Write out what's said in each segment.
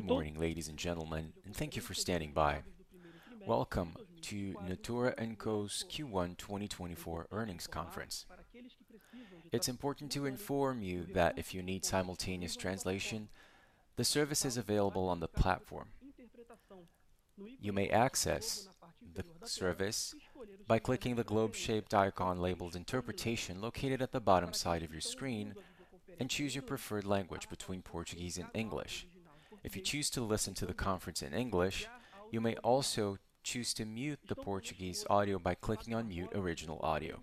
Good morning, ladies and gentlemen, and thank you for standing by. Welcome to Natura & Co.'s Q1 2024 earnings conference. It's important to inform you that if you need simultaneous translation, the service is available on the platform. You may access the service by clicking the globe-shaped icon labeled Interpretation, located at the bottom side of your screen, and choose your preferred language between Portuguese and English. If you choose to listen to the conference in English, you may also choose to mute the Portuguese audio by clicking on Mute Original Audio.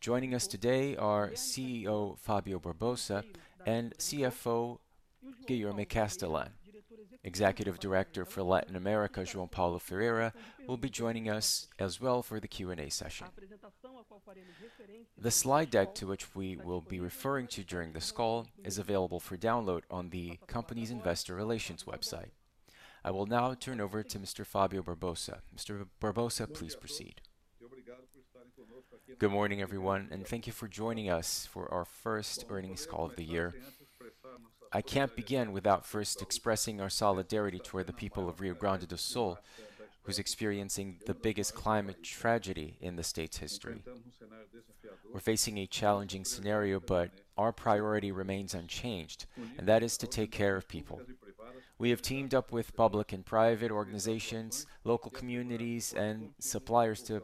Joining us today are CEO, Fabio Barbosa, and CFO, Guilherme Castellan. Executive Director for Latin America, João Paulo Ferreira, will be joining us as well for the Q&A session. The slide deck, to which we will be referring to during this call, is available for download on the company's investor relations website. I will now turn over to Mr. Fabio Barbosa. Mr. Barbosa, please proceed. Good morning, everyone, and thank you for joining us for our first earnings call of the year. I can't begin without first expressing our solidarity toward the people of Rio Grande do Sul, who's experiencing the biggest climate tragedy in the state's history. We're facing a challenging scenario, but our priority remains unchanged, and that is to take care of people. We have teamed up with public and private organizations, local communities, and suppliers to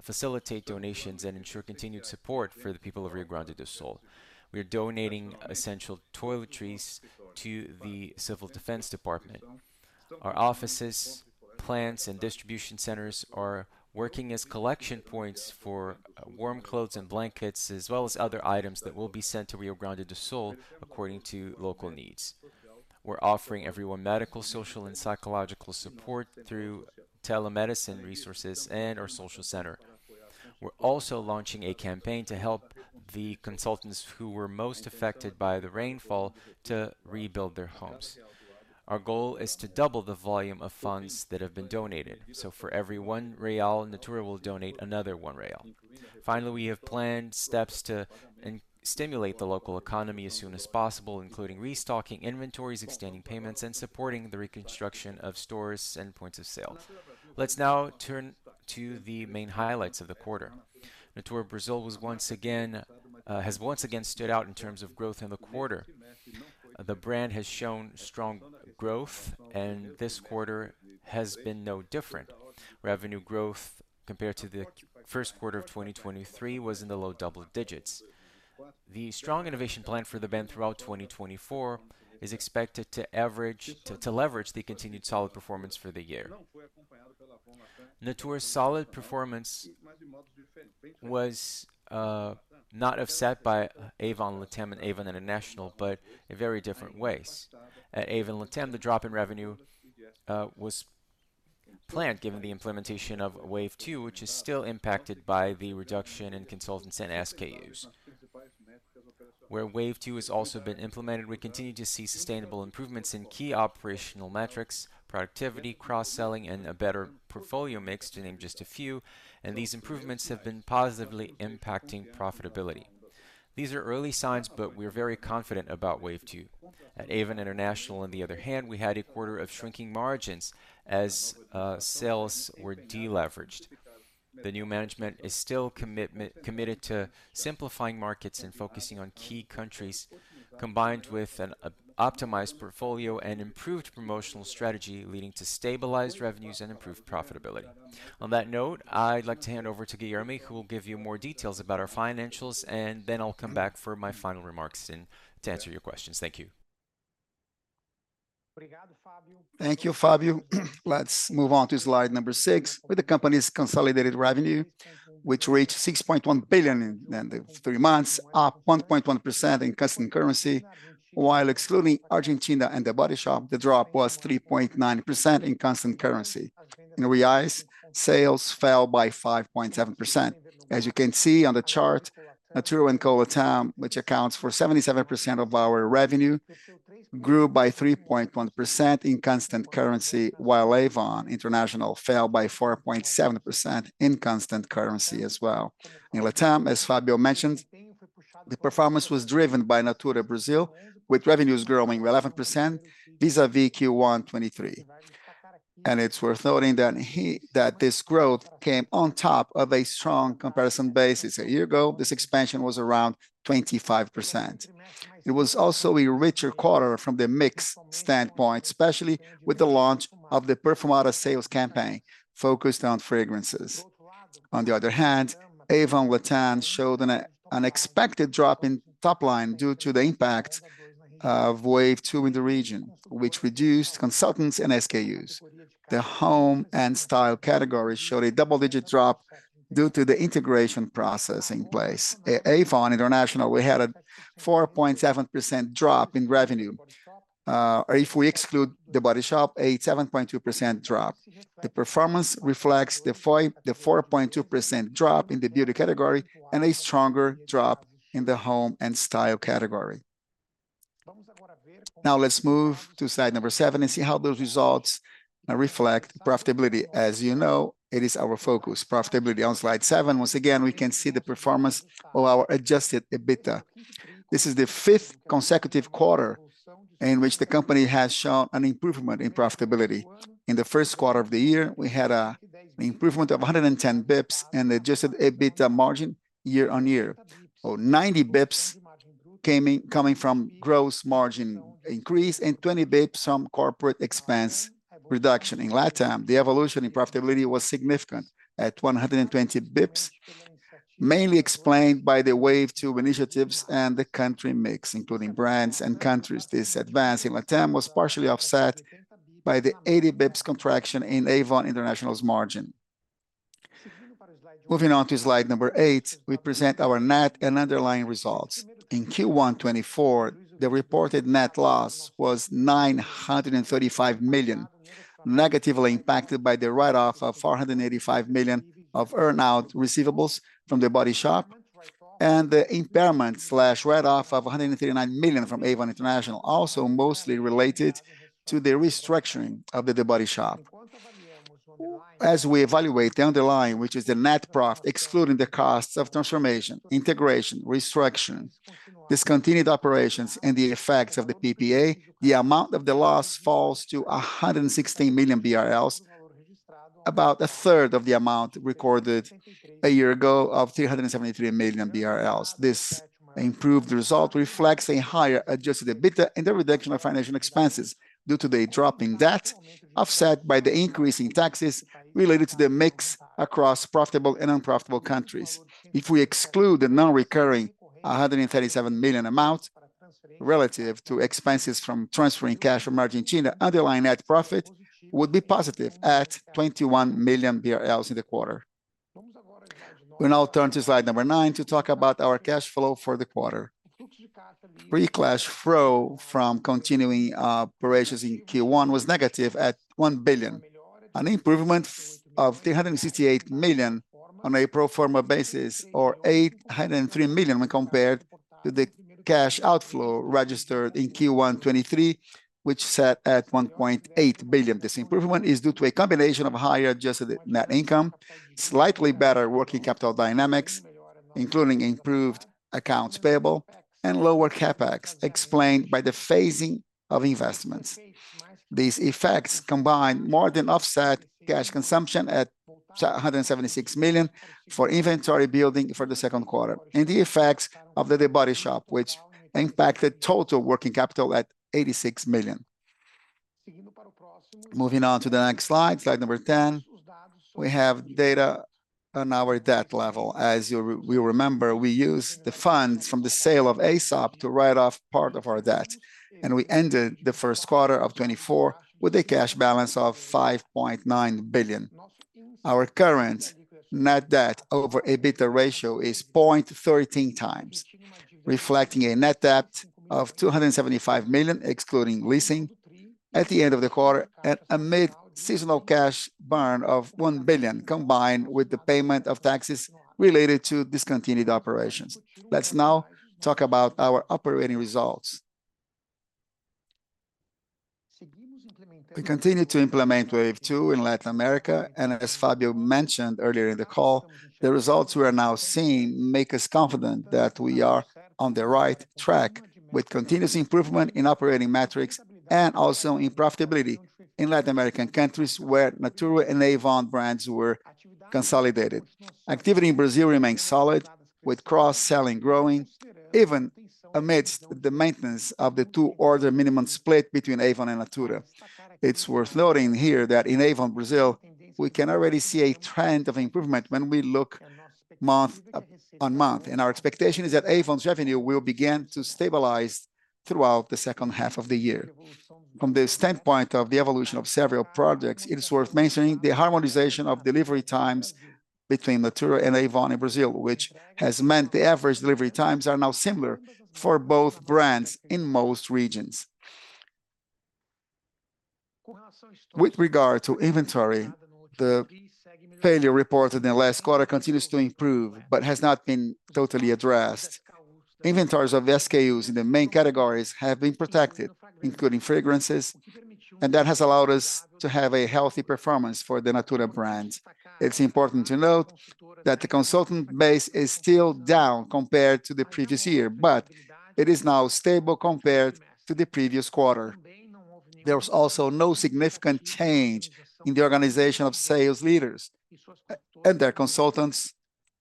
facilitate donations and ensure continued support for the people of Rio Grande do Sul. We are donating essential toiletries to the Civil Defense Department. Our offices, plants, and distribution centers are working as collection points for warm clothes and blankets, as well as other items that will be sent to Rio Grande do Sul according to local needs. We're offering everyone medical, social, and psychological support through telemedicine resources and our social center. We're also launching a campaign to help the consultants who were most affected by the rainfall to rebuild their homes. Our goal is to double the volume of funds that have been donated, so for every 1 real, Natura will donate another 1 real. Finally, we have planned steps to stimulate the local economy as soon as possible, including restocking inventories, extending payments, and supporting the reconstruction of stores and points of sale. Let's now turn to the main highlights of the quarter. Natura Brazil has once again stood out in terms of growth in the quarter. The brand has shown strong growth, and this quarter has been no different. Revenue growth compared to the first quarter of 2023 was in the low double digits. The strong innovation plan for the brand throughout 2024 is expected to leverage the continued solid performance for the year. Natura's solid performance was not offset by Avon Latam and Avon International, but in very different ways. At Avon Latam, the drop in revenue was planned given the implementation of Wave 2, which is still impacted by the reduction in consultants and SKUs. Where Wave 2 has also been implemented, we continue to see sustainable improvements in key operational metrics, productivity, cross-selling, and a better portfolio mix, to name just a few, and these improvements have been positively impacting profitability. These are early signs, but we are very confident about Wave 2. At Avon International, on the other hand, we had a quarter of shrinking margins as sales were de-leveraged. The new management is still committed to simplifying markets and focusing on key countries, combined with an optimized portfolio and improved promotional strategy, leading to stabilized revenues and improved profitability. On that note, I'd like to hand over to Guilherme, who will give you more details about our financials, and then I'll come back for my final remarks and to answer your questions. Thank you. Thank you, Fabio. Let's move on to slide number 6, with the company's consolidated revenue, which reached 6.1 billion in the three months, up 1.1% in constant currency. While excluding Argentina and The Body Shop, the drop was 3.9% in constant currency. In Reais, sales fell by 5.7%. As you can see on the chart, Natura & Co Latam, which accounts for 77% of our revenue, grew by 3.1% in constant currency, while Avon International fell by 4.7% in constant currency as well. In Latam, as Fabio mentioned, the performance was driven by Natura Brazil, with revenues growing 11% vis-a-vis Q1 2023. It's worth noting that this growth came on top of a strong comparison basis. A year ago, this expansion was around 25%. It was also a richer quarter from the mix standpoint, especially with the launch of the Perfumaria sales campaign focused on fragrances. On the other hand, Avon Latam showed an expected drop in top line due to the impact of Wave 2 in the region, which reduced consultants and SKUs. The Home and Style categories showed a double-digit drop due to the integration process in place. At Avon International, we had a 4.7% drop in revenue. If we exclude The Body Shop, a 7.2% drop. The performance reflects the 4.2% drop in the beauty category and a stronger drop in the Home and Style category. Now, let's move to slide number 7 and see how those results reflect profitability. As you know, it is our focus, profitability. On slide 7, once again, we can see the performance of our adjusted EBITDA. This is the fifth consecutive quarter in which the company has shown an improvement in profitability. In the first quarter of the year, we had an improvement of 110 bps and adjusted EBITDA margin year-on-year. Of 90 bps came in, coming from gross margin increase, and 20 bps from corporate expense reduction. In LatAm, the evolution in profitability was significant, at 120 bps, mainly explained by the Wave 2 initiatives and the country mix, including brands and countries. This advance in LatAm was partially offset by the 80 bps contraction in Avon International's margin. Moving on to slide number 8, we present our net and underlying results. In Q1 2024, the reported net loss was 935 million, negatively impacted by the write-off of 485 million of earn-out receivables from The Body Shop, and the impairment/write-off of 139 million from Avon International, also mostly related to the restructuring of The Body Shop. As we evaluate the underlying, which is the net profit, excluding the costs of transformation, integration, restructuring, discontinued operations, and the effects of the PPA, the amount of the loss falls to 116 million BRL BRL, about a third of the amount recorded a year ago of 373 million BRL BRL. This improved result reflects a higher Adjusted EBITDA and the reduction of financial expenses due to the drop in debt, offset by the increase in taxes related to the mix across profitable and unprofitable countries. If we exclude the non-recurring 137 million amount relative to expenses from transferring cash from Argentina, underlying net profit would be positive at 21 million BRL in the quarter. We now turn to slide number 9 to talk about our cash flow for the quarter. Free cash flow from continuing operations in Q1 was negative at 1 billion, an improvement of 368 million on a pro forma basis, or 803 million when compared to the cash outflow registered in Q1 2023, which sat at 1.8 billion. This improvement is due to a combination of higher adjusted net income, slightly better working capital dynamics, including improved accounts payable and lower CapEx, explained by the phasing of investments. These effects combined more than offset cash consumption at 176 million for inventory building for the second quarter, and the effects of The Body Shop, which impacted total working capital at 86 million. Moving on to the next slide, slide 10, we have data on our debt level. As we remember, we used the funds from the sale of Aesop to write off part of our debt, and we ended the first quarter of 2024 with a cash balance of 5.9 billion. Our current net debt over EBITDA ratio is 0.13x, reflecting a net debt of 275 million, excluding leasing, at the end of the quarter, and amid seasonal cash burn of 1 billion, combined with the payment of taxes related to discontinued operations. Let's now talk about our operating results. We continue to implement Wave 2 in Latin America, and as Fabio mentioned earlier in the call, the results we are now seeing make us confident that we are on the right track, with continuous improvement in operating metrics and also in profitability in Latin American countries where Natura and Avon brands were consolidated. Activity in Brazil remains solid, with cross-selling growing, even amidst the maintenance of the two-order minimum split between Avon and Natura. It's worth noting here that in Avon, Brazil, we can already see a trend of improvement when we look month-on-month, and our expectation is that Avon's revenue will begin to stabilize throughout the second half of the year. From the standpoint of the evolution of several projects, it is worth mentioning the harmonization of delivery times between Natura and Avon in Brazil, which has meant the average delivery times are now similar for both brands in most regions. With regard to inventory, the failure reported in the last quarter continues to improve, but has not been totally addressed. Inventories of the SKUs in the main categories have been protected, including fragrances, and that has allowed us to have a healthy performance for the Natura brand. It's important to note that the consultant base is still down compared to the previous year, but it is now stable compared to the previous quarter. There was also no significant change in the organization of sales leaders and their consultants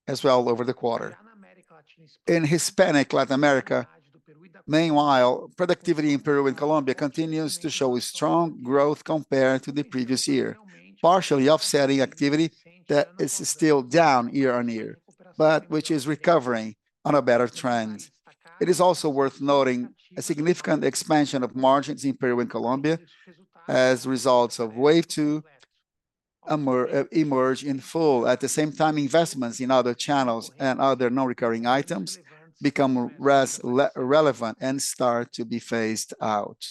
as well over the quarter. In Hispanic Latin America, meanwhile, productivity in Peru and Colombia continues to show a strong growth compared to the previous year, partially offsetting activity that is still down year-on-year, but which is recovering on a better trend. It is also worth noting a significant expansion of margins in Peru and Colombia as results of wave 2 emerge in full. At the same time, investments in other channels and other non-recurring items become relevant and start to be phased out.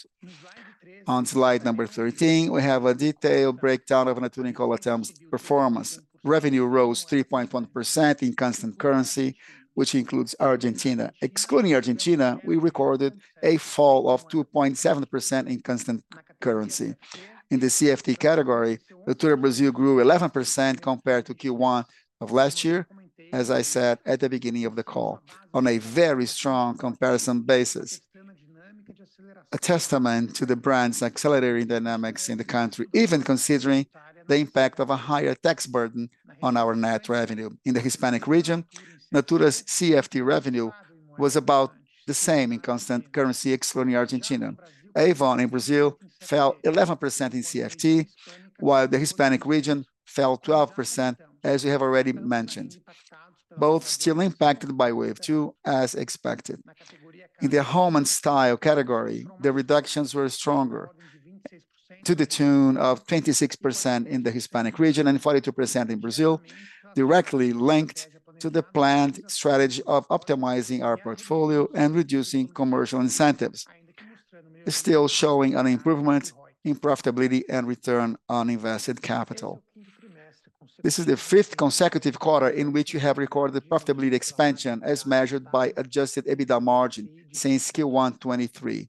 On slide number 13, we have a detailed breakdown of Natura & Co's performance. Revenue rose 3.1% in constant currency, which includes Argentina. Excluding Argentina, we recorded a fall of 2.7% in constant currency. In the CFT category, Natura Brazil grew 11% compared to Q1 of last year, as I said at the beginning of the call, on a very strong comparison basis... a testament to the brand's accelerating dynamics in the country, even considering the impact of a higher tax burden on our net revenue. In the Hispanic region, Natura's CFT revenue was about the same in constant currency, excluding Argentina. Avon in Brazil fell 11% in CFT, while the Hispanic region fell 12%, as you have already mentioned, both still impacted by Wave 2, as expected. In the Home and Style category, the reductions were stronger, to the tune of 26% in the Hispanic region and 42% in Brazil, directly linked to the planned strategy of optimizing our portfolio and reducing commercial incentives. Still showing an improvement in profitability and return on invested capital. This is the fifth consecutive quarter in which we have recorded the profitability expansion, as measured by adjusted EBITDA margin since Q1 2023.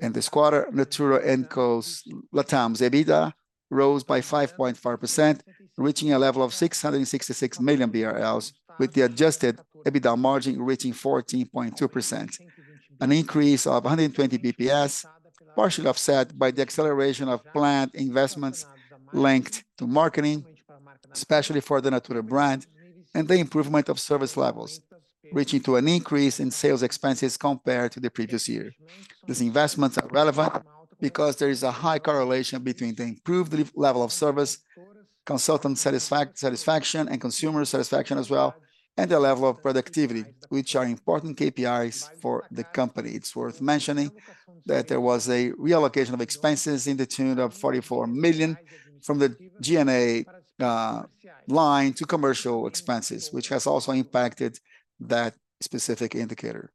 In this quarter, Natura & Co.'s LatAm's EBITDA rose by 5.5%, reaching a level of 666 million BRL, with the adjusted EBITDA margin reaching 14.2%. An increase of 120 BPS, partially offset by the acceleration of planned investments linked to marketing, especially for the Natura brand, and the improvement of service levels, reaching to an increase in sales expenses compared to the previous year. These investments are relevant because there is a high correlation between the improved level of service, consultant satisfaction, and consumer satisfaction as well, and the level of productivity, which are important KPIs for the company. It's worth mentioning that there was a reallocation of expenses in the tune of 44 million from the G&A line to commercial expenses, which has also impacted that specific indicator.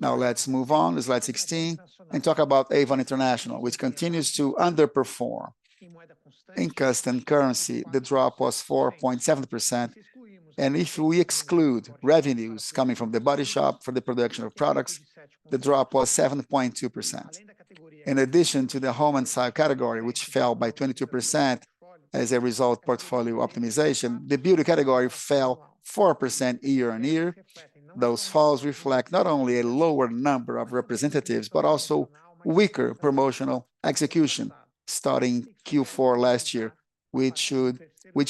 Now, let's move on, slide 16, and talk about Avon International, which continues to underperform. In constant currency, the drop was 4.7%, and if we exclude revenues coming from The Body Shop for the production of products, the drop was 7.2%. In addition to the home and style category, which fell by 22% as a result of portfolio optimization, the beauty category fell 4% year-on-year. Those falls reflect not only a lower number of representatives, but also weaker promotional execution starting Q4 last year, which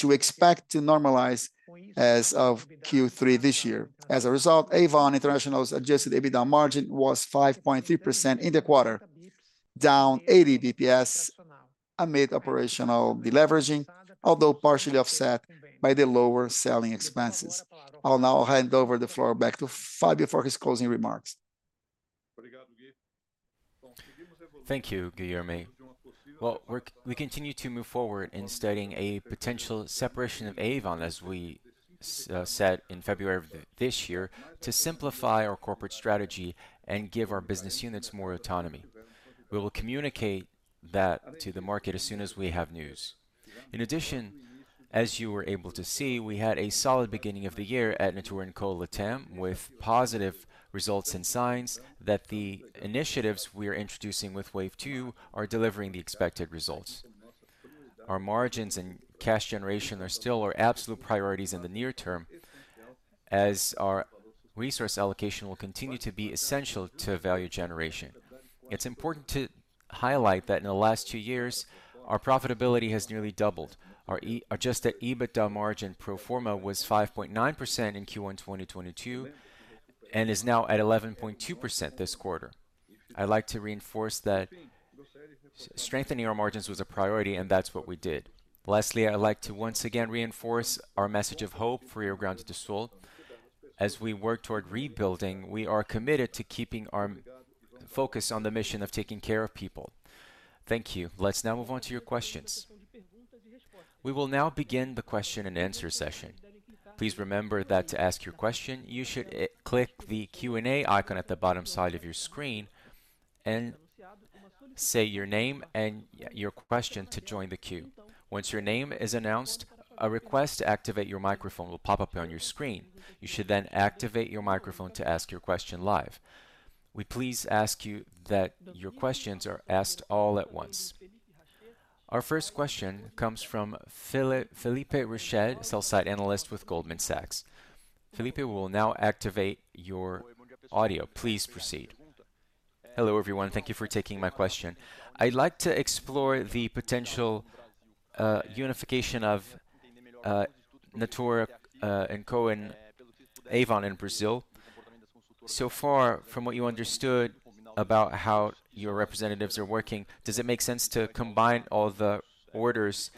we expect to normalize as of Q3 this year. As a result, Avon International's Adjusted EBITDA margin was 5.3% in the quarter, down 80 basis points amid operational deleveraging, although partially offset by the lower selling expenses. I'll now hand over the floor back to Fabio for his closing remarks. Thank you, Guilherme. Well, we continue to move forward in studying a potential separation of Avon, as we said in February of this year, to simplify our corporate strategy and give our business units more autonomy. We will communicate that to the market as soon as we have news. In addition, as you were able to see, we had a solid beginning of the year at Natura & Co Latam, with positive results and signs that the initiatives we are introducing with Wave 2 are delivering the expected results. Our margins and cash generation are still our absolute priorities in the near term, as our resource allocation will continue to be essential to value generation. It's important to highlight that in the last two years, our profitability has nearly doubled. Our adjusted EBITDA margin pro forma was 5.9% in Q1 2022, and is now at 11.2% this quarter. I'd like to reinforce that strengthening our margins was a priority, and that's what we did. Lastly, I'd like to once again reinforce our message of hope for our Rio Grande do Sul. As we work toward rebuilding, we are committed to keeping our focus on the mission of taking care of people. Thank you. Let's now move on to your questions. We will now begin the question and answer session. Please remember that to ask your question, you should click the Q&A icon at the bottom side of your screen and say your name and your question to join the queue. Once your name is announced, a request to activate your microphone will pop up on your screen. You should then activate your microphone to ask your question live. We please ask you that your questions are asked all at once. Our first question comes from Felipe Rissetti, sell-side analyst with Goldman Sachs. Felipe, we will now activate your audio. Please proceed. Hello, everyone. Thank you for taking my question. I'd like to explore the potential unification of Natura & Co. and Avon in Brazil. So far, from what you understood about how your representatives are working, does it make sense to combine all the orders,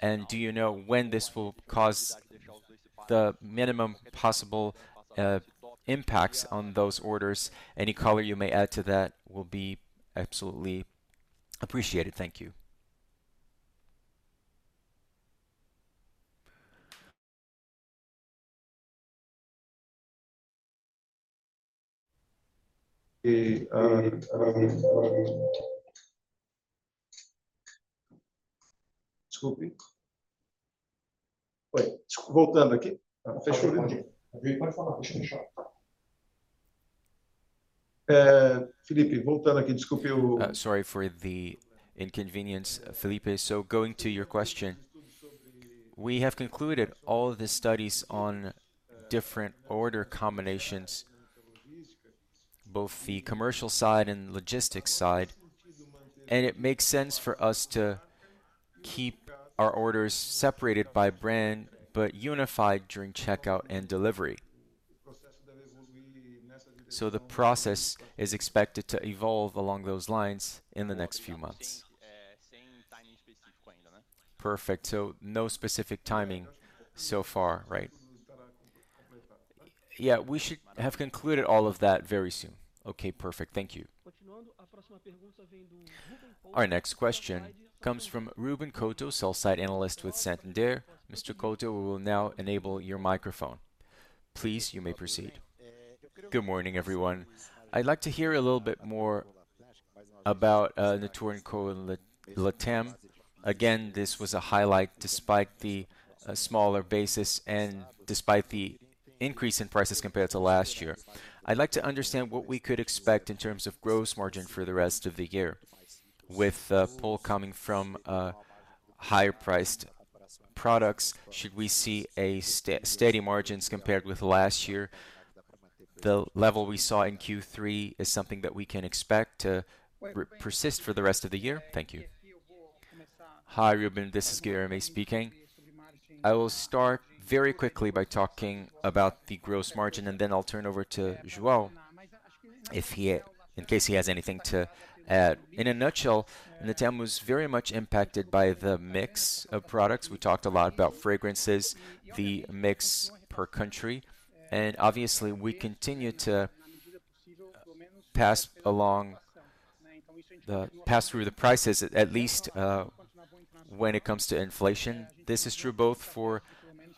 and do you know when this will cause the minimum possible impacts on those orders? Any color you may add to that will be absolutely appreciated. Thank you. Uh, um, um... Sorry for the inconvenience, Felipe. So going to your question. We have concluded all of the studies on different order combinations, both the commercial side and the logistics side, and it makes sense for us to keep our orders separated by brand, but unified during checkout and delivery. So the process is expected to evolve along those lines in the next few months. Perfect. So no specific timing so far, right? Yeah, we should have concluded all of that very soon. Okay, perfect. Thank you. Our next question comes from Ruben Cortina, sell-side analyst with Santander. Mr. Cortina, we will now enable your microphone. Please, you may proceed. Good morning, everyone. I'd like to hear a little bit more about Natura & Co Latam. Again, this was a highlight, despite the smaller basis and despite the increase in prices compared to last year. I'd like to understand what we could expect in terms of gross margin for the rest of the year. With pull coming from higher-priced products, should we see a steady margins compared with last year? The level we saw in Q3 is something that we can expect to persist for the rest of the year. Thank you. Hi, Ruben, this is Guilherme speaking. I will start very quickly by talking about the gross margin, and then I'll turn over to João, if he, in case he has anything to add. In a nutshell, Latam was very much impacted by the mix of products. We talked a lot about fragrances, the mix per country, and obviously, we continue to pass through the prices at least when it comes to inflation. This is true both for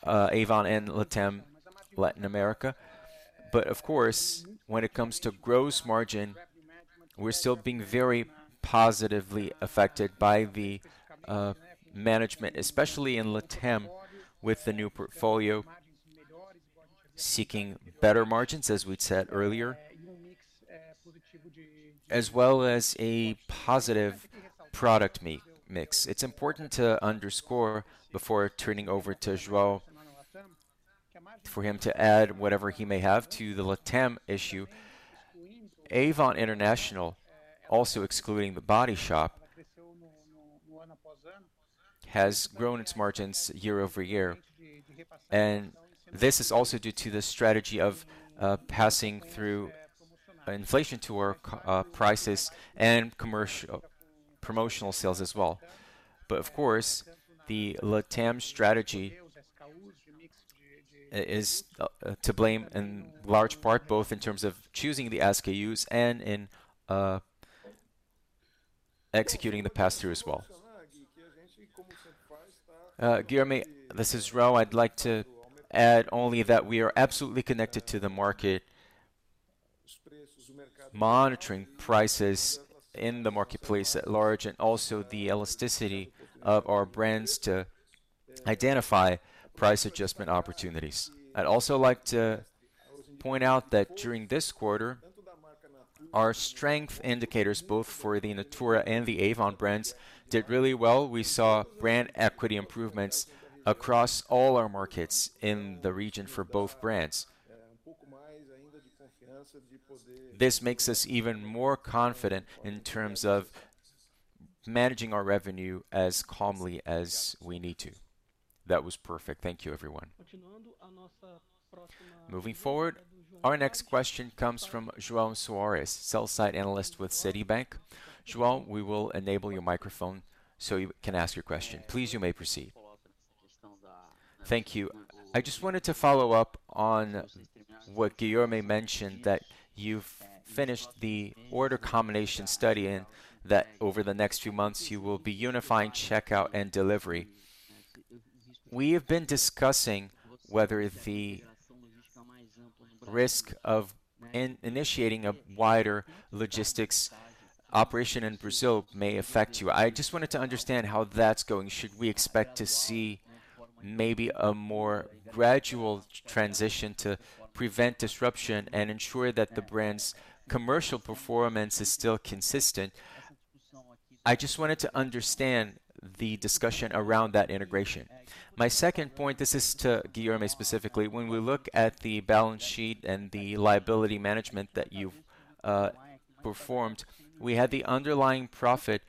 Avon and Latam, Latin America. But of course, when it comes to gross margin, we're still being very positively affected by the management, especially in Latam, with the new portfolio seeking better margins, as we'd said earlier, as well as a positive product mix. It's important to underscore, before turning over to João, for him to add whatever he may have to the Latam issue. Avon International, also excluding The Body Shop, has grown its margins year-over-year, and this is also due to the strategy of passing through inflation to our prices and commercial promotional sales as well. But of course, the Latam strategy is to blame in large part, both in terms of choosing the SKUs and in executing the pass-through as well. Guilherme, this is João. I'd like to add only that we are absolutely connected to the market, monitoring prices in the marketplace at large, and also the elasticity of our brands to identify price adjustment opportunities. I'd also like to point out that during this quarter, our strength indicators, both for the Natura and the Avon brands, did really well. We saw brand equity improvements across all our markets in the region for both brands. This makes us even more confident in terms of managing our revenue as calmly as we need to. That was perfect. Thank you, everyone. Moving forward, our next question comes from João Soares, sell-side analyst with Citi. João, we will enable your microphone, so you can ask your question. Please, you may proceed. Thank you. I just wanted to follow up on what Guilherme mentioned, that you've finished the order combination study and that over the next few months, you will be unifying checkout and delivery. We have been discussing whether the risk of initiating a wider logistics operation in Brazil may affect you. I just wanted to understand how that's going. Should we expect to see maybe a more gradual transition to prevent disruption and ensure that the brand's commercial performance is still consistent? I just wanted to understand the discussion around that integration. My second point, this is to Guilherme, specifically. When we look at the balance sheet and the liability management that you've performed, we had the underlying profit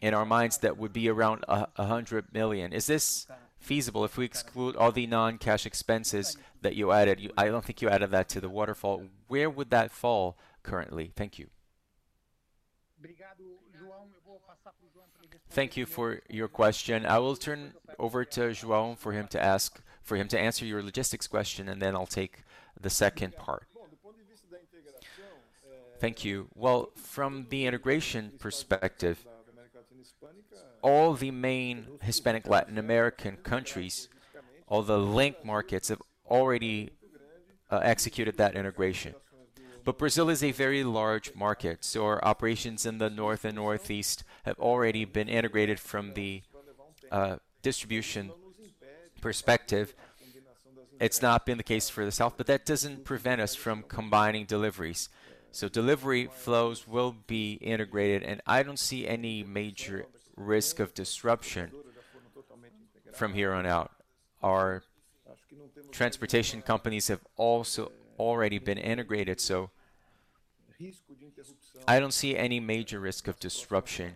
in our minds that would be around 100 million. Is this feasible if we exclude all the non-cash expenses that you added? I don't think you added that to the waterfall. Where would that fall currently? Thank you. Thank you for your question. I will turn over to João for him to answer your logistics question, and then I'll take the second part. Thank you. Well, from the integration perspective, all the main Hispanic Latin American countries, all the link markets, have already executed that integration. But Brazil is a very large market, so our operations in the North and Northeast have already been integrated from the distribution perspective. It's not been the case for the South, but that doesn't prevent us from combining deliveries. So delivery flows will be integrated, and I don't see any major risk of disruption from here on out. Our transportation companies have also already been integrated, so I don't see any major risk of disruption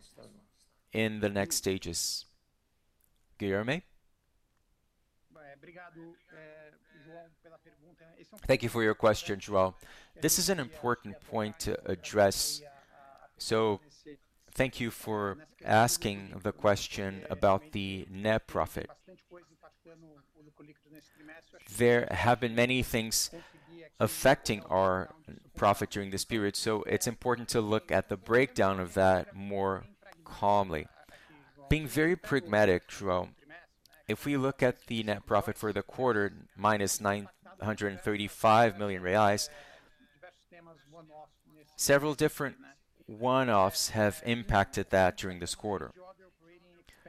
in the next stages. Guilherme? Thank you for your question, João. This is an important point to address, so thank you for asking the question about the net profit. There have been many things affecting our profit during this period, so it's important to look at the breakdown of that more calmly. Being very pragmatic, João, if we look at the net profit for the quarter, minus 935 million reais, several different one-offs have impacted that during this quarter.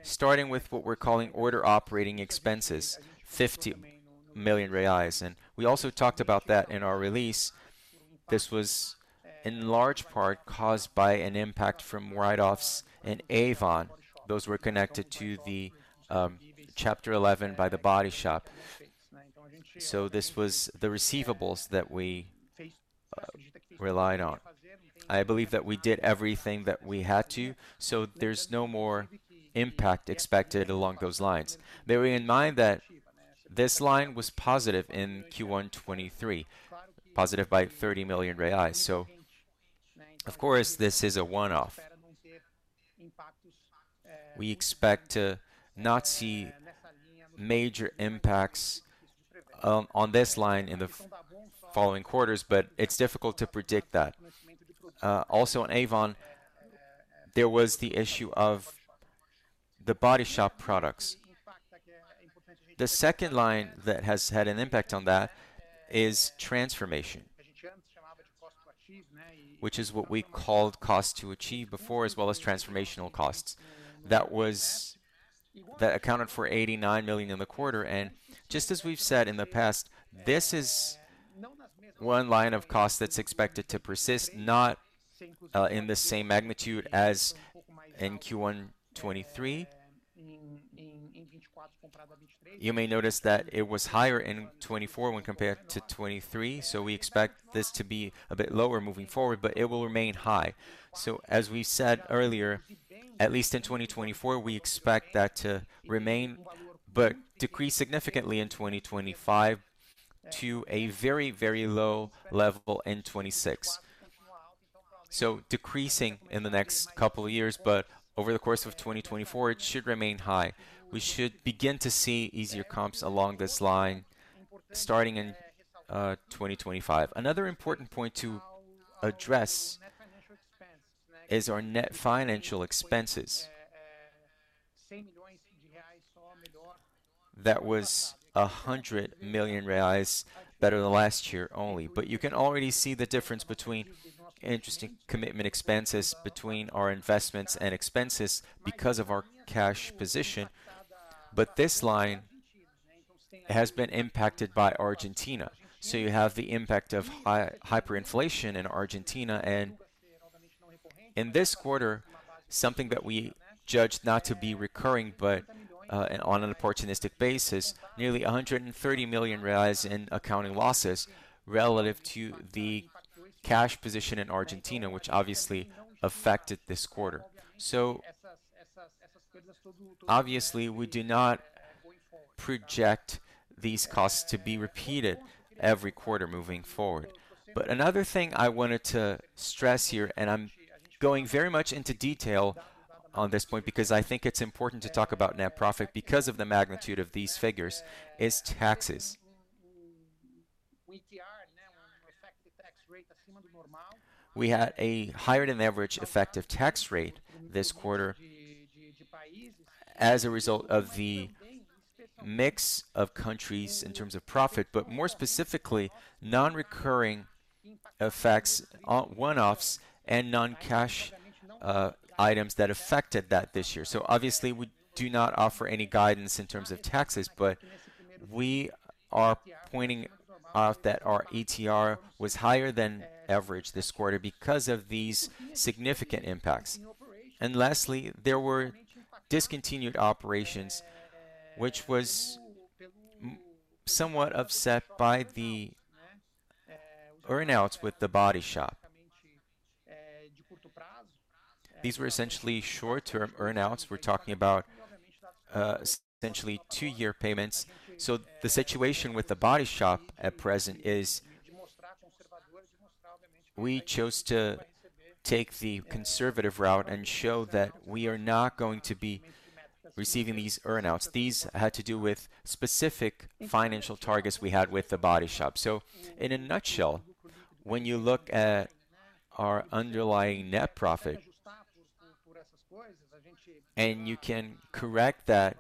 Starting with what we're calling other operating expenses, 50 million reais, and we also talked about that in our release. This was in large part caused by an impact from write-offs in Avon. Those were connected to the Chapter 11 by The Body Shop. So this was the receivables that we relied on. I believe that we did everything that we had to, so there's no more impact expected along those lines. Bearing in mind that this line was positive in Q1 2023, positive by 30 million reais. So of course, this is a one-off. We expect to not see major impacts on this line in the following quarters, but it's difficult to predict that. Also in Avon, there was the issue of The Body Shop products. The second line that has had an impact on that is transformation, which is what we called Cost to Achieve before, as well as transformational costs. That accounted for 89 million in the quarter, and just as we've said in the past, this is one line of cost that's expected to persist, not in the same magnitude as in Q1 2023. You may notice that it was higher in 2024 when compared to 2023, so we expect this to be a bit lower moving forward, but it will remain high. So as we said earlier, at least in 2024, we expect that to remain, but decrease significantly in 2025 to a very, very low level in 2026. So decreasing in the next couple of years, but over the course of 2024, it should remain high. We should begin to see easier comps along this line starting in 2025. Another important point to address is our net financial expenses. That was 100 million reais better than last year only, but you can already see the difference between interest income and expenses because of our cash position. But this line has been impacted by Argentina. So you have the impact of hyperinflation in Argentina, and in this quarter, something that we judged not to be recurring, but, on an opportunistic basis, nearly 130 million reais in accounting losses relative to the cash position in Argentina, which obviously affected this quarter. So obviously, we do not project these costs to be repeated every quarter moving forward. But another thing I wanted to stress here, and I'm going very much into detail on this point, because I think it's important to talk about net profit because of the magnitude of these figures, is taxes. We had a higher-than-average effective tax rate this quarter as a result of the mix of countries in terms of profit, but more specifically, non-recurring effects, one-offs and non-cash, items that affected that this year. So obviously, we do not offer any guidance in terms of taxes, but we are pointing out that our ETR was higher than average this quarter because of these significant impacts. And lastly, there were discontinued operations, which was somewhat offset by the earn-outs with The Body Shop. These were essentially short-term earn-outs. We're talking about essentially 2-year payments. So the situation with The Body Shop at present is we chose to take the conservative route and show that we are not going to be receiving these earn-outs. These had to do with specific financial targets we had with The Body Shop. So in a nutshell, when you look at our underlying net profit, and you can correct that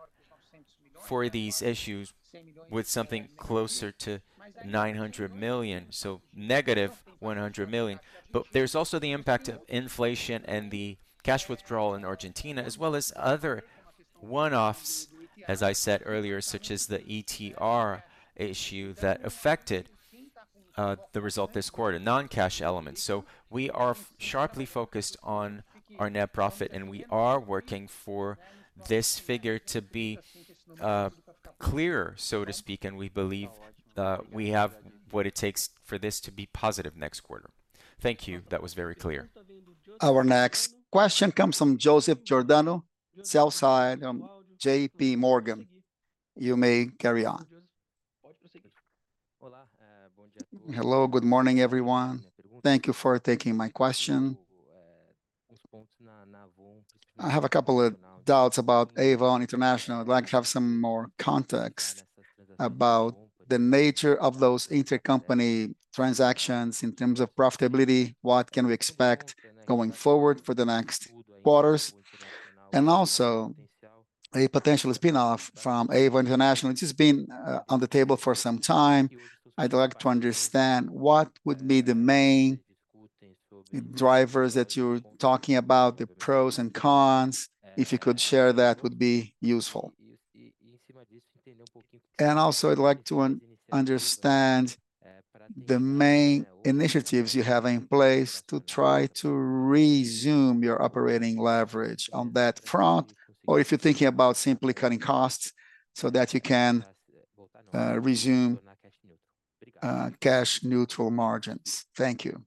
for these issues with something closer to 900 million, so negative 100 million. But there's also the impact of inflation and the cash withdrawal in Argentina, as well as other one-offs, as I said earlier, such as the ETR issue that affected-... the result this quarter, non-cash elements. So we are sharply focused on our net profit, and we are working for this figure to be clearer, so to speak, and we believe we have what it takes for this to be positive next quarter. Thank you. That was very clear. Our next question comes from Joseph Giordano, sell-side, J.P. Morgan. You may carry on. Hello, good morning, everyone. Thank you for taking my question. I have a couple of doubts about Avon International. I'd like to have some more context about the nature of those intercompany transactions in terms of profitability. What can we expect going forward for the next quarters? And also, a potential spin-off from Avon International, which has been on the table for some time. I'd like to understand what would be the main drivers that you're talking about, the pros and cons. If you could share, that would be useful. And also, I'd like to understand the main initiatives you have in place to try to resume your operating leverage on that front, or if you're thinking about simply cutting costs so that you can resume cash neutral margins. Thank you.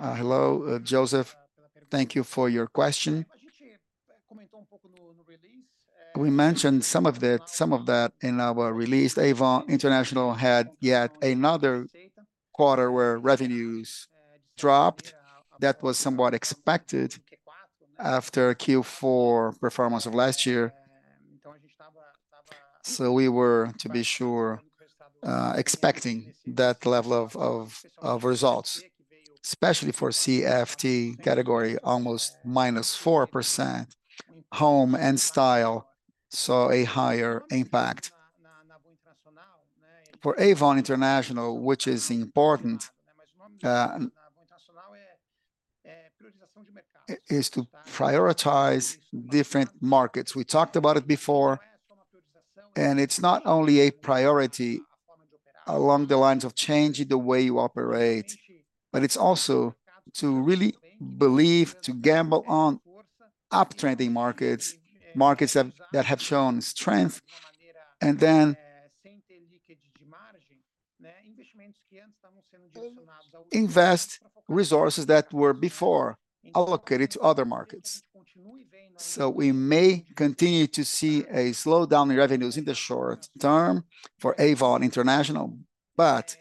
Hello, Joseph. Thank you for your question. We mentioned some of that in our release. Avon International had yet another quarter where revenues dropped. That was somewhat expected after Q4 performance of last year. So we were, to be sure, expecting that level of results, especially for CFT category, almost -4%. Home and Style saw a higher impact. For Avon International, which is important, is to prioritize different markets. We talked about it before, and it's not only a priority along the lines of changing the way you operate, but it's also to really believe, to gamble on uptrending markets, markets that, that have shown strength, and then invest resources that were before allocated to other markets. So we may continue to see a slowdown in revenues in the short term for Avon International, but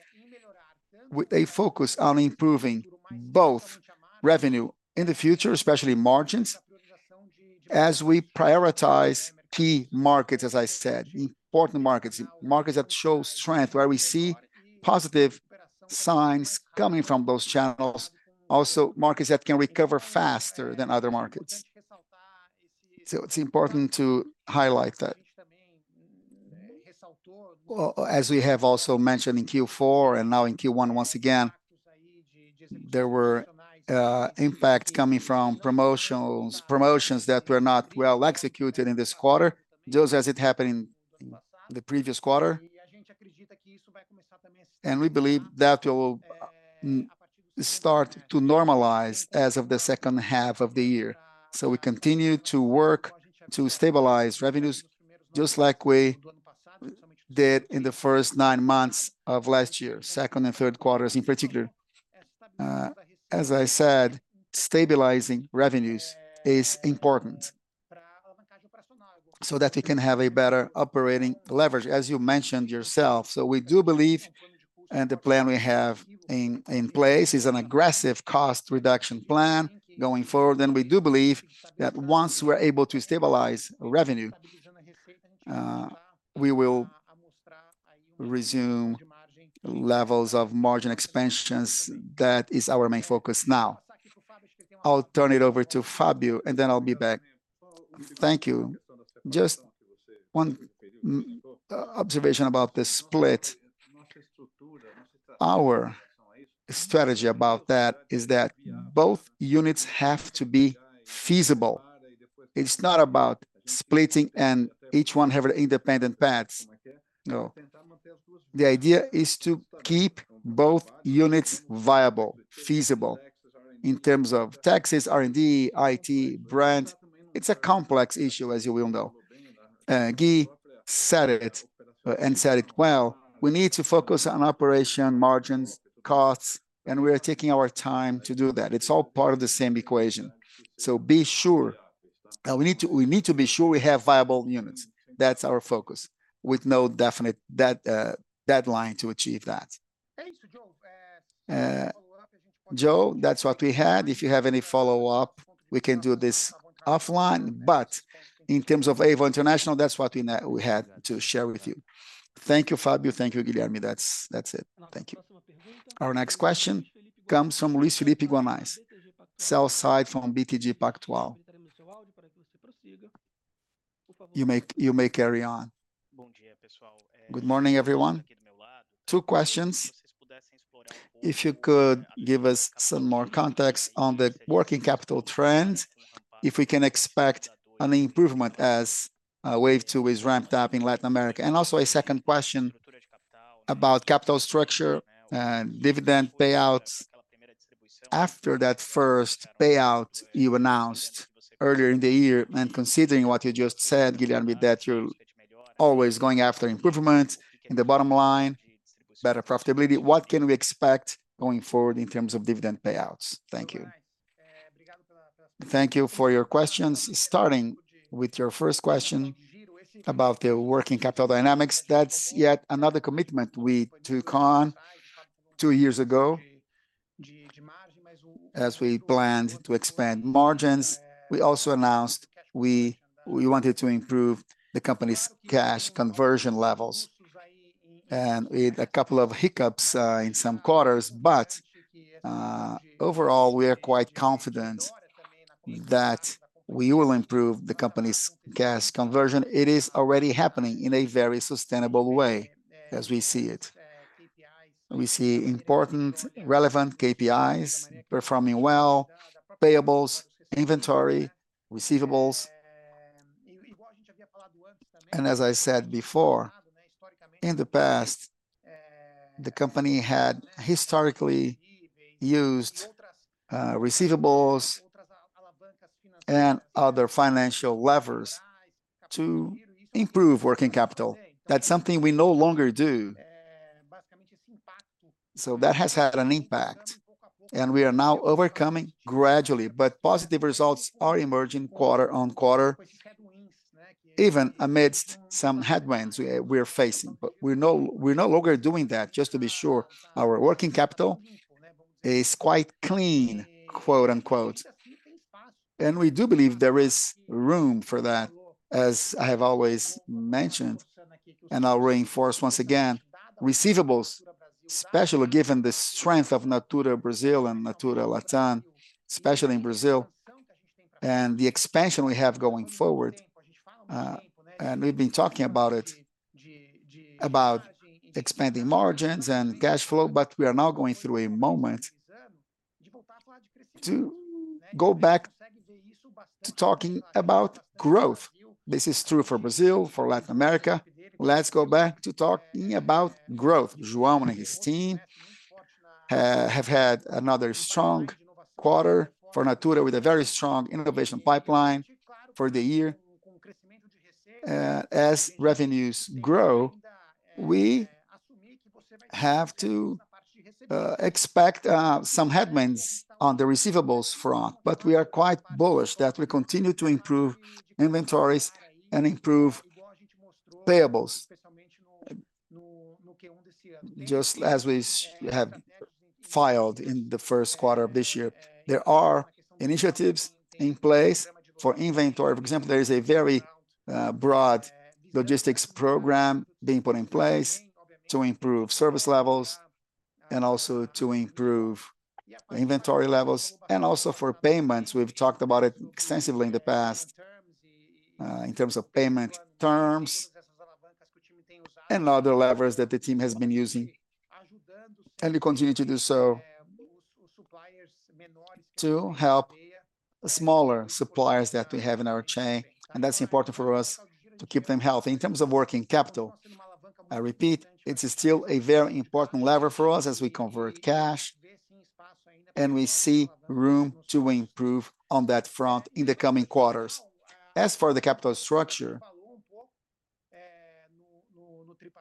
with a focus on improving both revenue in the future, especially margins, as we prioritize key markets, as I said, important markets, markets that show strength, where we see positive signs coming from those channels. Also, markets that can recover faster than other markets. So it's important to highlight that. Well, as we have also mentioned in Q4 and now in Q1 once again, there were impacts coming from promotions, promotions that were not well executed in this quarter, just as it happened in the previous quarter. And we believe that will start to normalize as of the second half of the year. So we continue to work to stabilize revenues, just like we did in the first nine months of last year, second and third quarters in particular. As I said, stabilizing revenues is important, so that we can have a better operating leverage, as you mentioned yourself. So we do believe, and the plan we have in place, is an aggressive cost reduction plan going forward. And we do believe that once we're able to stabilize revenue, we will resume levels of margin expansions. That is our main focus now. I'll turn it over to Fabio, and then I'll be back. Thank you. Just one observation about the split. Our strategy about that is that both units have to be feasible. It's not about splitting and each one have independent paths. No. The idea is to keep both units viable, feasible in terms of taxes, R&D, IT, brand. It's a complex issue, as you well know. Guy said it and said it well. We need to focus on operation margins, costs, and we are taking our time to do that. It's all part of the same equation. So be sure we need to be sure we have viable units. That's our focus, with no definite deadline to achieve that. Joe, that's what we had. If you have any follow-up, we can do this offline, but in terms of Avon International, that's what we had to share with you. Thank you, Fabio. Thank you, Guilherme. That's, that's it. Thank you. Our next question comes from Luiz Guanais, sell-side from BTG Pactual. You may, you may carry on. Good morning, everyone. Two questions. If you could give us some more context on the working capital trends, if we can expect an improvement as Wave 2 is ramped up in Latin America. And also a second question about capital structure and dividend payouts. After that first payout you announced earlier in the year, and considering what you just said, Guilherme, that you're always going after improvements in the bottom line, better profitability, what can we expect going forward in terms of dividend payouts? Thank you. Thank you for your questions. Starting with your first question about the working capital dynamics, that's yet another commitment we took on two years ago. As we planned to expand margins, we also announced we wanted to improve the company's cash conversion levels, and with a couple of hiccups in some quarters. But overall, we are quite confident that we will improve the company's cash conversion. It is already happening in a very sustainable way as we see it. We see important, relevant KPIs performing well, payables, inventory, receivables. And as I said before, in the past, the company had historically used receivables and other financial levers to improve working capital. That's something we no longer do. So that has had an impact, and we are now overcoming gradually, but positive results are emerging quarter on quarter, even amidst some headwinds we're facing. But we're no longer doing that, just to be sure our working capital is quite clean, quote, unquote. And we do believe there is room for that, as I have always mentioned, and I'll reinforce once again, receivables, especially given the strength of Natura Brazil and Natura Latam, especially in Brazil, and the expansion we have going forward. And we've been talking about it, about expanding margins and cash flow, but we are now going through a moment to go back to talking about growth. This is true for Brazil, for Latin America. Let's go back to talking about growth. João and his team have had another strong quarter for Natura, with a very strong innovation pipeline for the year. As revenues grow, we have to expect some headwinds on the receivables front, but we are quite bullish that we continue to improve inventories and improve payables, just as we have filed in the first quarter of this year. There are initiatives in place for inventory. For example, there is a very broad logistics program being put in place to improve service levels and also to improve inventory levels, and also for payments. We've talked about it extensively in the past, in terms of payment terms and other levers that the team has been using, and we continue to do so to help the smaller suppliers that we have in our chain, and that's important for us to keep them healthy. In terms of working capital, I repeat, it is still a very important lever for us as we convert cash, and we see room to improve on that front in the coming quarters. As for the capital structure,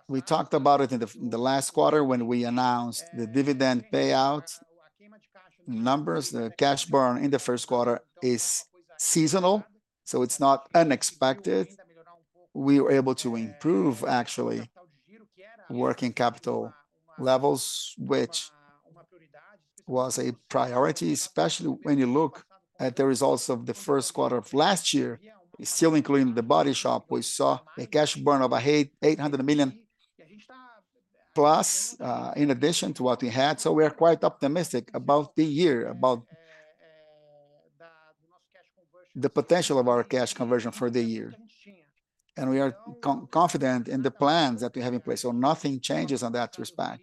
we talked about it in the last quarter when we announced the dividend payout numbers. The cash burn in the first quarter is seasonal, so it's not unexpected. We were able to improve actually working capital levels, which was a priority, especially when you look at the results of the first quarter of last year, still including The Body Shop. We saw a cash burn of 800 million plus, in addition to what we had, so we are quite optimistic about the year, about the potential of our cash conversion for the year, and we are confident in the plans that we have in place, so nothing changes in that respect.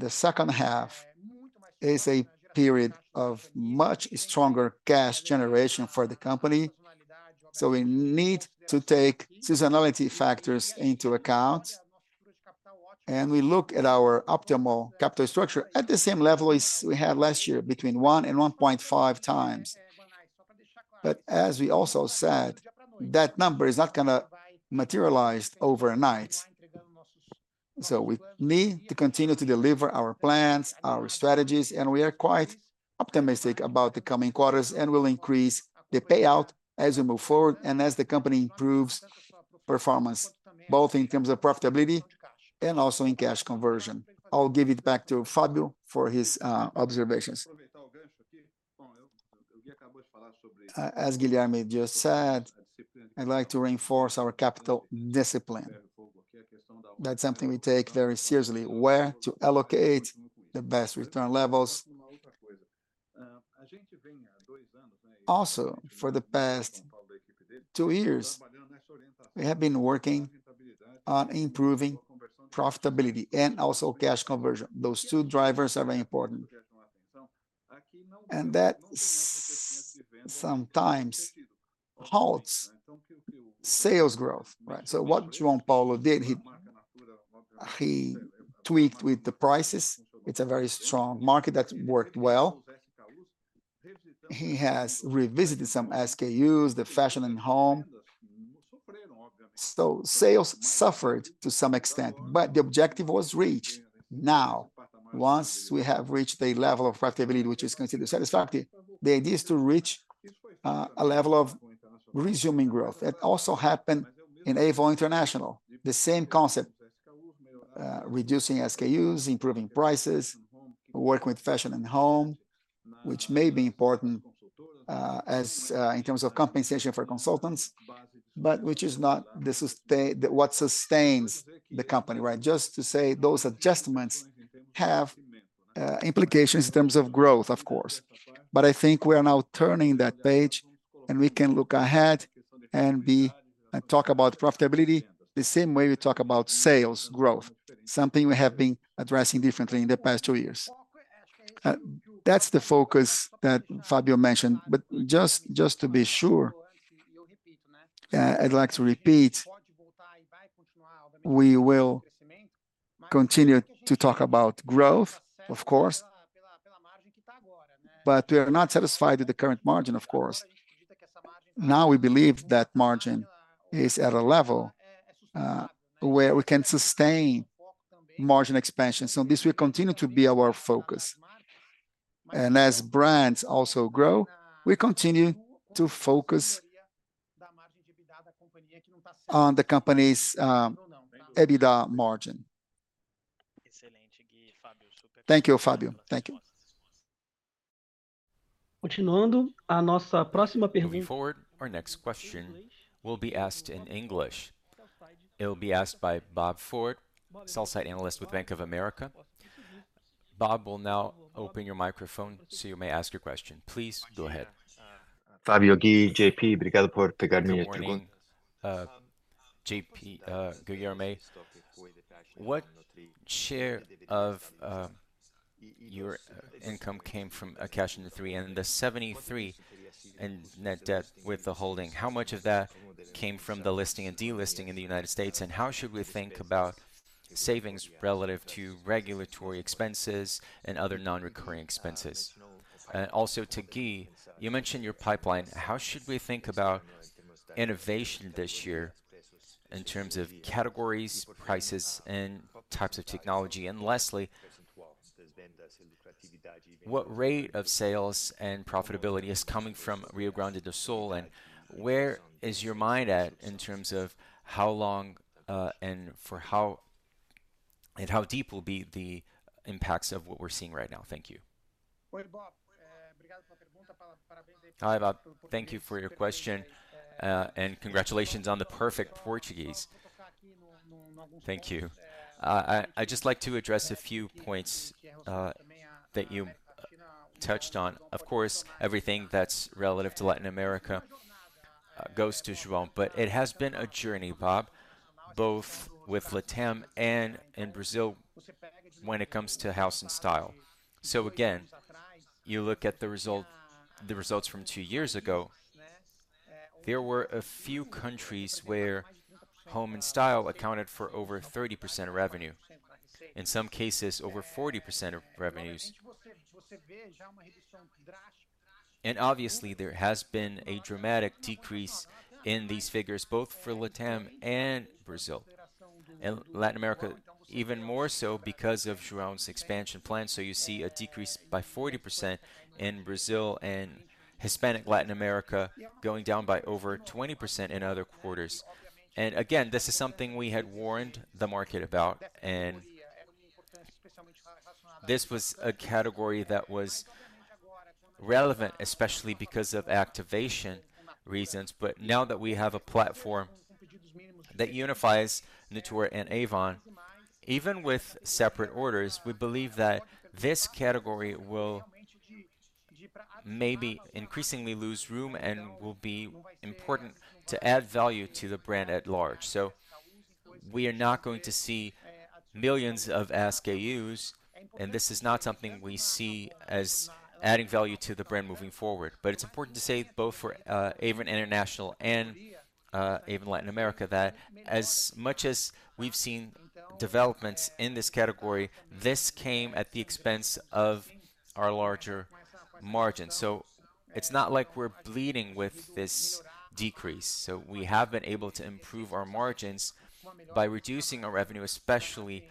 The second half is a period of much stronger cash generation for the company, so we need to take seasonality factors into account, and we look at our optimal capital structure at the same level as we had last year, between 1 and 1.5 times. But as we also said, that number is not gonna materialize overnight. So we need to continue to deliver our plans, our strategies, and we are quite optimistic about the coming quarters and will increase the payout as we move forward and as the company improves performance, both in terms of profitability and also in cash conversion. I'll give it back to Fabio for his observations. As Guilherme just said, I'd like to reinforce our capital discipline. That's something we take very seriously, where to allocate the best return levels. Also, for the past two years, we have been working on improving profitability and also cash conversion. Those two drivers are very important.... and that sometimes halts sales growth, right? So what João Paulo did, he tweaked with the prices. It's a very strong market that's worked well. He has revisited some SKUs, the fashion and home. So sales suffered to some extent, but the objective was reached. Now, once we have reached a level of profitability which is considered satisfactory, the idea is to reach a level of resuming growth. That also happened in Avon International. The same concept, reducing SKUs, improving prices, working with fashion and home, which may be important as in terms of compensation for consultants, but which is not what sustains the company, right? Just to say those adjustments have implications in terms of growth, of course, but I think we are now turning that page, and we can look ahead and talk about profitability the same way we talk about sales growth, something we have been addressing differently in the past two years. That's the focus that Fabio mentioned, but just, just to be sure, I'd like to repeat, we will continue to talk about growth, of course, but we are not satisfied with the current margin, of course. Now, we believe that margin is at a level where we can sustain margin expansion, so this will continue to be our focus. And as brands also grow, we continue to focus on the company's EBITDA margin. Excellent, Gui and Fabio. Thank you, Fabio. Thank you. Moving forward, our next question will be asked in English. It will be asked by Bob Ford, sell-side analyst with Bank of America. Bob will now open your microphone, so you may ask your question. Please go ahead. Fabio, Gui, JP, Good morning, J.P., Guilherme. What share of your income came from cash in the 3 and the 73 in net debt with the holding? How much of that came from the listing and delisting in the United States, and how should we think about savings relative to regulatory expenses and other non-recurring expenses? And also to Gui, you mentioned your pipeline. How should we think about innovation this year in terms of categories, prices, and types of technology? And lastly, what rate of sales and profitability is coming from Rio Grande do Sul, and where is your mind at in terms of how long and for how... and how deep will be the impacts of what we're seeing right now? Thank you. Hi, Bob. Thank you for your question, and congratulations on the perfect Portuguese. Thank you. I, I'd just like to address a few points that you touched on. Of course, everything that's relative to Latin America goes to João, but it has been a journey, Bob, both with LATAM and in Brazil when it comes to Home and Style. So again, you look at the result, the results from two years ago, there were a few countries where Home and Style accounted for over 30% of revenue, in some cases over 40% of revenues. And obviously, there has been a dramatic decrease in these figures, both for LATAM and Brazil, and Latin America, even more so because of João's expansion plan. So you see a decrease by 40% in Brazil and Hispanic Latin America going down by over 20% in other quarters. This is something we had warned the market about, and this was a category that was relevant, especially because of activation reasons. Now that we have a platform that unifies Natura and Avon, even with separate orders, we believe that this category will maybe increasingly lose room and will be important to add value to the brand at large. We are not going to see millions of SKUs, and this is not something we see as adding value to the brand moving forward. It's important to say, both for Avon International and Avon Latin America, that as much as we've seen developments in this category, this came at the expense of our larger margin. So it's not like we're bleeding with this decrease, so we have been able to improve our margins by reducing our revenue, especially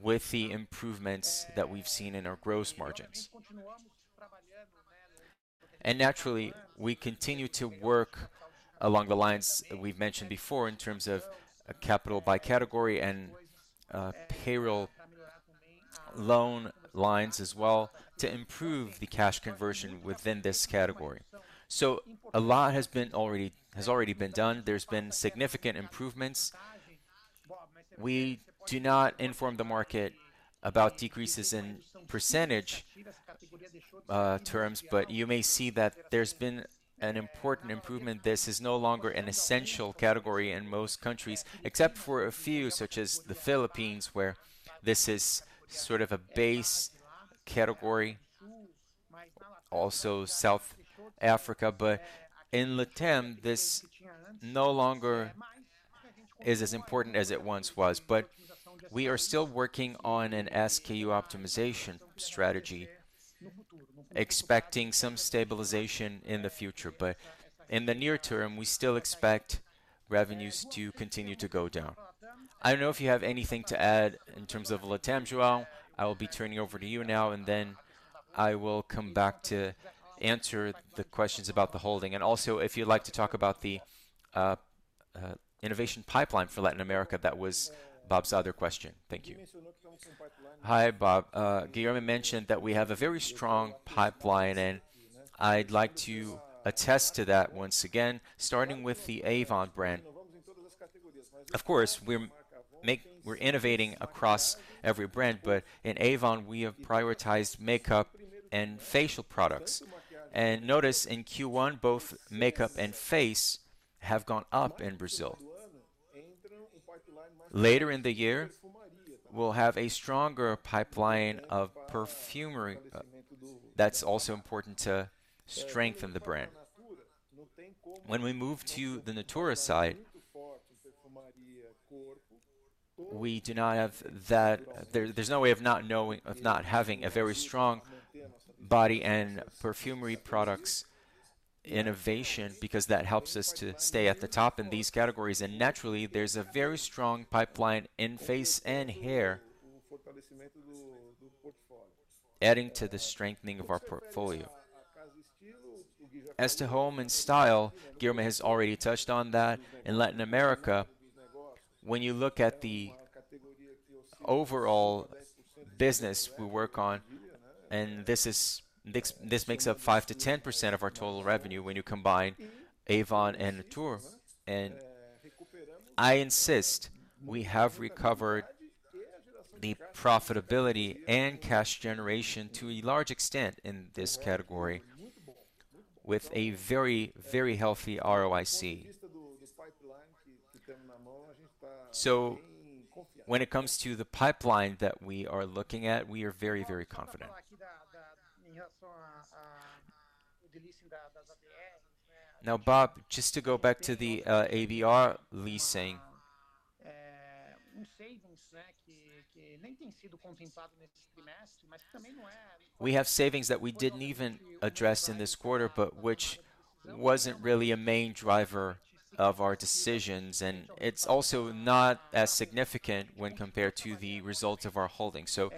with the improvements that we've seen in our gross margins. And naturally, we continue to work along the lines we've mentioned before in terms of capital by category and, payroll loan lines as well, to improve the cash conversion within this category. So a lot has already been done. There's been significant improvements. We do not inform the market about decreases in percentage terms, but you may see that there's been an important improvement. This is no longer an essential category in most countries, except for a few, such as the Philippines, where this is sort of a base category. Also South Africa, but in Latam, this no longer is as important as it once was. But we are still working on an SKU optimization strategy, expecting some stabilization in the future. But in the near term, we still expect revenues to continue to go down. I don't know if you have anything to add in terms of Latam, João. I will be turning over to you now, and then I will come back to answer the questions about the holding. And also, if you'd like to talk about the innovation pipeline for Latin America, that was Bob's other question. Thank you. Hi, Bob. Guilherme mentioned that we have a very strong pipeline, and I'd like to attest to that once again, starting with the Avon brand. Of course, we're innovating across every brand, but in Avon, we have prioritized makeup and facial products. And notice in Q1, both makeup and face have gone up in Brazil. Later in the year, we'll have a stronger pipeline of perfumery, that's also important to strengthen the brand. When we move to the Natura side, we do not have that there, there's no way of not having a very strong body and perfumery products innovation, because that helps us to stay at the top in these categories. And naturally, there's a very strong pipeline in face and hair, adding to the strengthening of our portfolio. As to Home and Style, Guilherme has already touched on that. In Latin America, when you look at the overall business we work on, this makes up 5%-10% of our total revenue when you combine Avon and Natura. And I insist, we have recovered the profitability and cash generation to a large extent in this category with a very, very healthy ROIC. So when it comes to the pipeline that we are looking at, we are very, very confident. Now, Bob, just to go back to the ADR listing. We have savings that we didn't even address in this quarter, but which wasn't really a main driver of our decisions, and it's also not as significant when compared to the results of our holding. So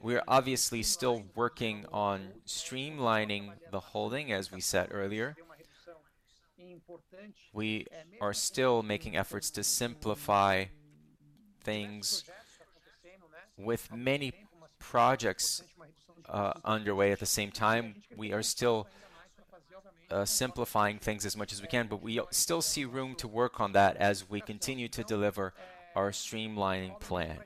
we are obviously still working on streamlining the holding, as we said earlier. We are still making efforts to simplify things with many projects underway at the same time. We are still simplifying things as much as we can, but we still see room to work on that as we continue to deliver our streamlining plan.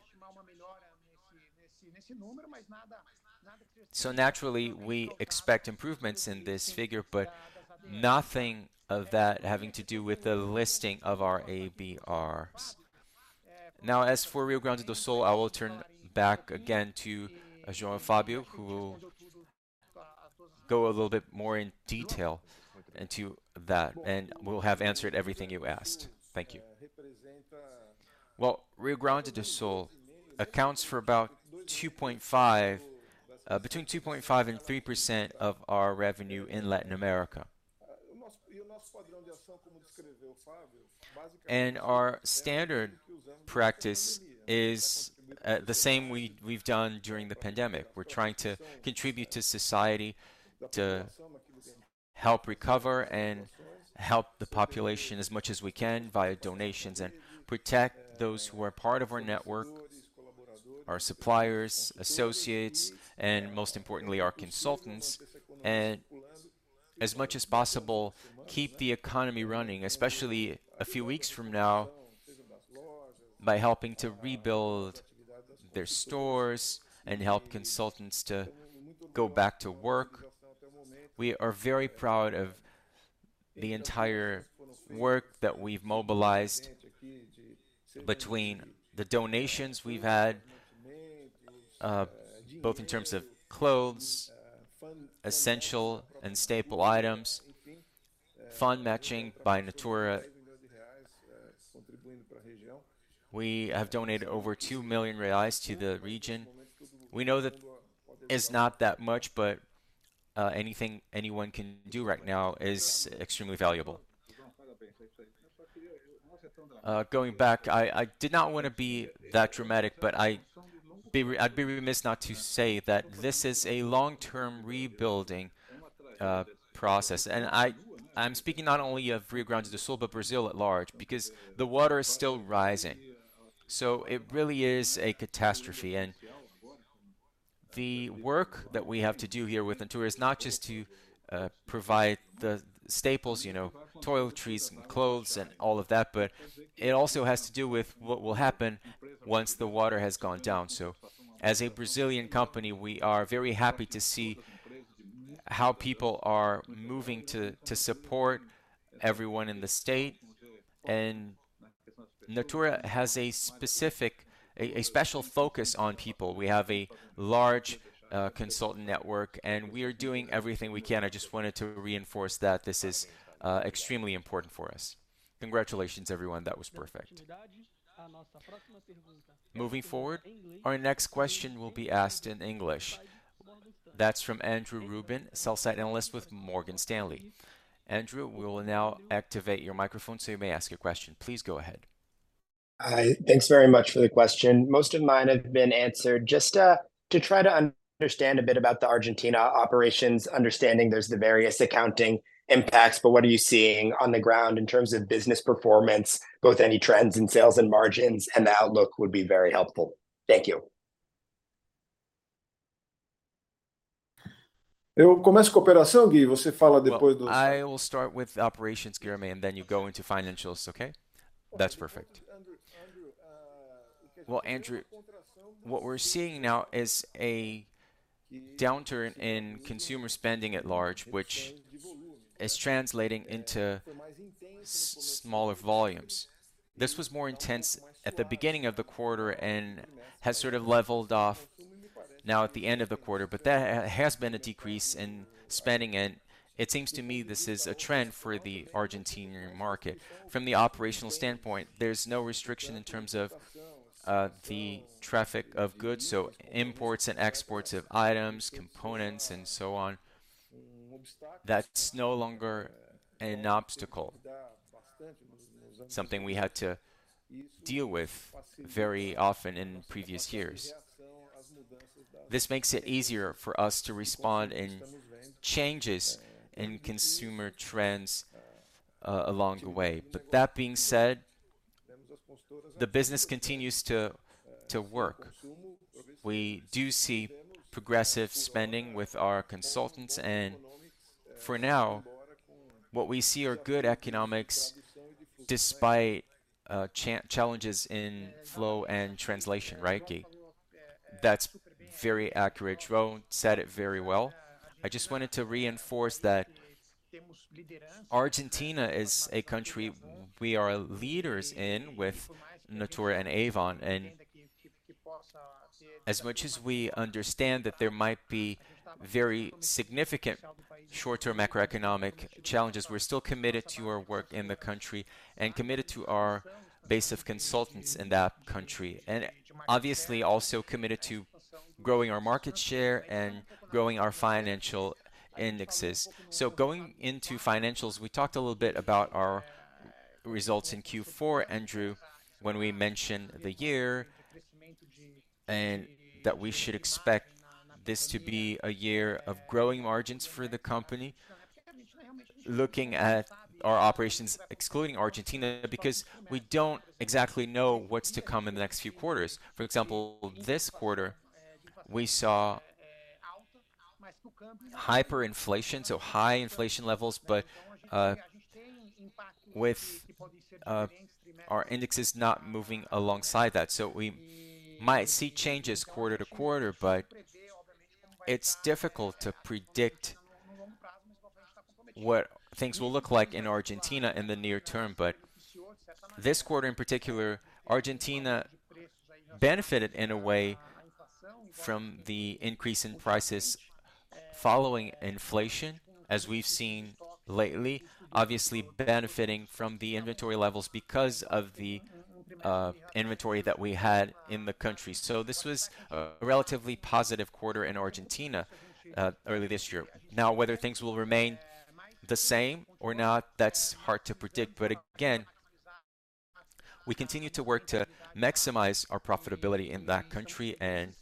So naturally, we expect improvements in this figure, but nothing of that having to do with the listing of our ADRs. Now, as for Rio Grande do Sul, I will turn back again to João Fábio, who will go a little bit more in detail into that, and we'll have answered everything you asked. Thank you. Well, Rio Grande do Sul accounts for about 2.5, between 2.5% and 3% of our revenue in Latin America. Our standard practice is the same we've done during the pandemic. We're trying to contribute to society, to help recover and help the population as much as we can via donations, and protect those who are part of our network, our suppliers, associates, and most importantly, our consultants. As much as possible, keep the economy running, especially a few weeks from now, by helping to rebuild their stores and help consultants to go back to work. We are very proud of the entire work that we've mobilized between the donations we've had, both in terms of clothes, essential and staple items, fund matching by Natura. We have donated over 2 million reais to the region. We know that it's not that much, but anything anyone can do right now is extremely valuable. Going back, I did not want to be that dramatic, but I'd be remiss not to say that this is a long-term rebuilding process. And I'm speaking not only of Rio Grande do Sul, but Brazil at large, because the water is still rising, so it really is a catastrophe. The work that we have to do here with Natura is not just to provide the staples, you know, toiletries and clothes and all of that, but it also has to do with what will happen once the water has gone down. So as a Brazilian company, we are very happy to see how people are moving to support everyone in the state. Natura has a specific, a special focus on people. We have a large consultant network, and we are doing everything we can. I just wanted to reinforce that this is extremely important for us. Congratulations, everyone. That was perfect. Moving forward, our next question will be asked in English. That's from Andrew Ruben, sell-side analyst with Morgan Stanley. Andrew, we will now activate your microphone, so you may ask your question. Please go ahead. Hi. Thanks very much for the question. Most of mine have been answered. Just, to try to understand a bit about the Argentina operations, understanding there's the various accounting impacts, but what are you seeing on the ground in terms of business performance? Both any trends in sales and margins, and the outlook would be very helpful. Thank you. Well, I will start with operations, Guilherme, and then you go into financials, okay? That's perfect. Andrew, Andrew, Well, Andrew, what we're seeing now is a downturn in consumer spending at large, which is translating into smaller volumes. This was more intense at the beginning of the quarter and has sort of leveled off now at the end of the quarter. But there has been a decrease in spending, and it seems to me this is a trend for the Argentinian market. From the operational standpoint, there's no restriction in terms of the traffic of goods, so imports and exports of items, components, and so on. That's no longer an obstacle, something we had to deal with very often in previous years. This makes it easier for us to respond in changes in consumer trends along the way. But that being said, the business continues to work. We do see progressive spending with our consultants, and for now, what we see are good economics despite challenges in flow and translation, right, Gui? That's very accurate. João said it very well. I just wanted to reinforce that Argentina is a country we are leaders in with Natura and Avon, and as much as we understand that there might be very significant short-term macroeconomic challenges, we're still committed to our work in the country and committed to our base of consultants in that country, and obviously, also committed to growing our market share and growing our financial indexes. So going into financials, we talked a little bit about our results in Q4, Andrew, when we mentioned the year, and that we should expect this to be a year of growing margins for the company. Looking at our operations, excluding Argentina, because we don't exactly know what's to come in the next few quarters. For example, this quarter, we saw hyperinflation, so high inflation levels, but with our indexes not moving alongside that. So we might see changes quarter to quarter, but it's difficult to predict what things will look like in Argentina in the near term. But this quarter, in particular, Argentina benefited in a way from the increase in prices following inflation, as we've seen lately, obviously benefiting from the inventory levels because of the inventory that we had in the country. So this was a relatively positive quarter in Argentina early this year. Now, whether things will remain the same or not, that's hard to predict, but again, we continue to work to maximize our profitability in that country, and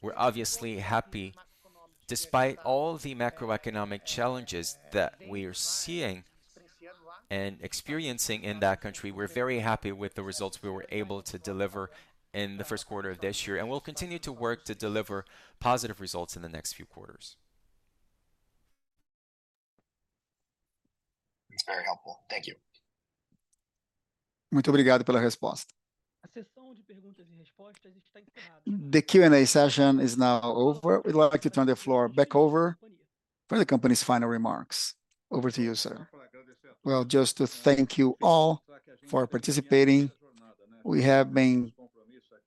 we're obviously happy. Despite all the macroeconomic challenges that we are seeing and experiencing in that country, we're very happy with the results we were able to deliver in the first quarter of this year, and we'll continue to work to deliver positive results in the next few quarters. It's very helpful. Thank you. The Q&A session is now over. We'd like to turn the floor back over for the company's final remarks. Over to you, sir. Well, just to thank you all for participating. We have been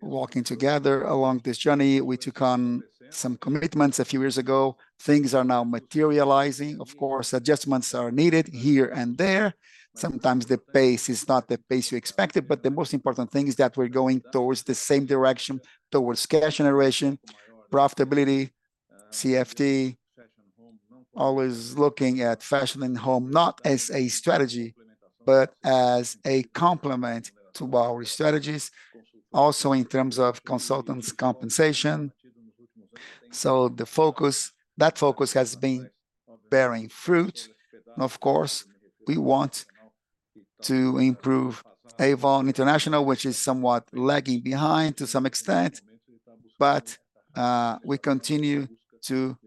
walking together along this journey. We took on some commitments a few years ago. Things are now materializing. Of course, adjustments are needed here and there. Sometimes the pace is not the pace you expected, but the most important thing is that we're going towards the same direction, towards cash generation, profitability, CFT, always looking at Fashion and Home, not as a strategy, but as a complement to our strategies. Also, in terms of consultants' compensation. So the focus, that focus has been bearing fruit. Of course, we want to improve Avon International, which is somewhat lagging behind to some extent, but we continue to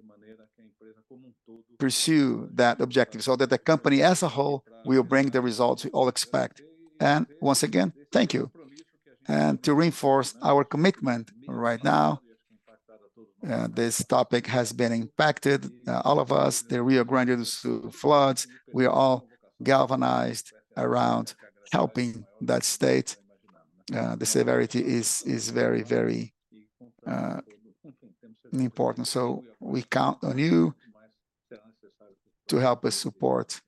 pursue that objective so that the company as a whole will bring the results we all expect. Once again, thank you. To reinforce our commitment right now, this topic has been impacted all of us, the Rio Grande do Sul floods; we are all galvanized around helping that state. The severity is very, very important, so we count on you to help us support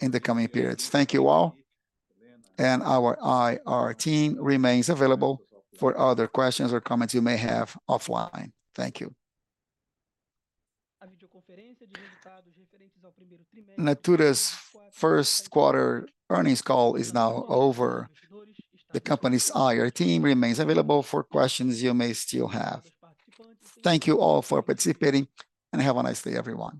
in the coming periods. Thank you all, and our IR team remains available for other questions or comments you may have offline. Thank you. Natura's first quarter earnings call is now over. The company's IR team remains available for questions you may still have. Thank you all for participating, and have a nice day, everyone.